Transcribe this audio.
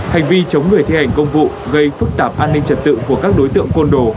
hành vi chống người thi hành công vụ gây phức tạp an ninh trật tự của các đối tượng côn đồ